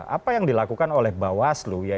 apa yang dilakukan oleh bawaslu ya